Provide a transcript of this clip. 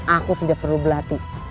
aku tidak perlu belati